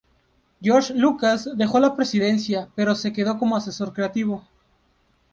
George Lucas dejó la presidencia pero se quedó como asesor creativo.